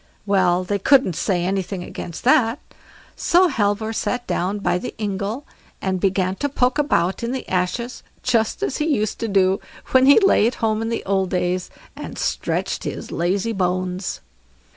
Well, they couldn't say anything against that; so Halvor sat down by the ingle, and began to poke about in the ashes, just as he used to do when he lay at home in old days, and stretched his lazy bones.